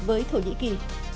với thổ nhĩ kỳ